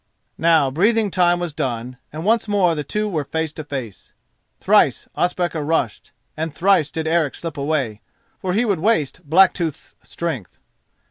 Now breathing time was done, and once more the two were face to face. Thrice Ospakar rushed, and thrice did Eric slip away, for he would waste Blacktooth's strength.